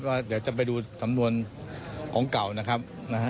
เดี๋ยวจะไปดูสำนวนของเก่านะครับนะฮะ